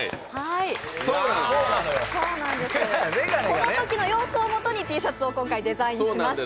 このときの様子をもとに今回Ｔシャツをご用意しました。